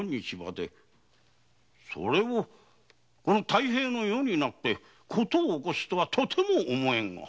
それがこの太平の世に事を起こすとはとても思えぬが。